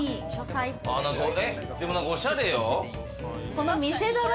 でも何かおしゃれよ。